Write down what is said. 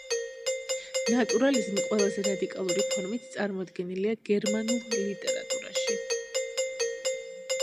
ნატურალიზმი ყველაზე რადიკალური ფორმით წარმოდგენილია გერმანულ ლიტერატურაში.